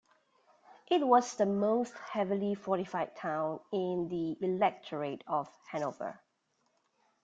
It was the most heavily fortified town in the Electorate of Hanover.